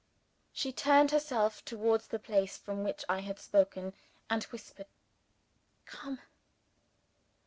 She turned herself towards the place from which I had spoken, and whispered "Come!"